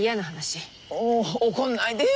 お怒んないでよ